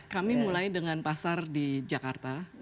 kami mulai dengan pasar di jakarta